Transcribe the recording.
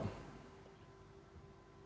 masih di mute pak saud